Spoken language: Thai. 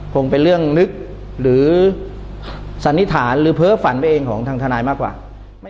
คงเป็นเรื่องลึกหรือสันนิษฐานหรือเพ้อฝันไปเองของทางทนายมากกว่า